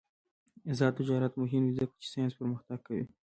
آزاد تجارت مهم دی ځکه چې ساینس پرمختګ کوي.